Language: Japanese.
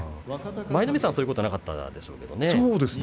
舞の海さんはそういうことは、なかったでしょうけどね。